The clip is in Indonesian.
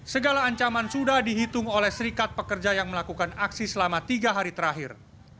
segala ancaman sudah dihitung oleh serikat pekerja yang melakukan aksi selama tiga hari terakhir